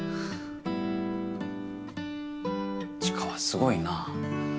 知花はすごいな。